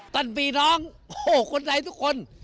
ตันปีน้องโอ้คนไทยทุกคน